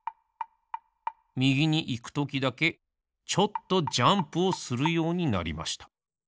みぎにいくときだけちょっとジャンプをするようになりました。